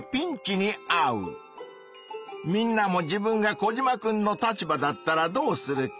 みんなも自分がコジマくんの立場だったらどうするか？